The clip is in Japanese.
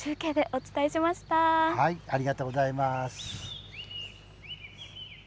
ありがとうございます。